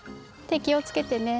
てきをつけてね。